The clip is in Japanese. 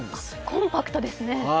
コンパクトですね。